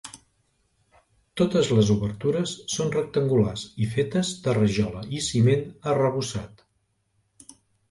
Totes les obertures són rectangulars i fetes de rajola i ciment arrebossat.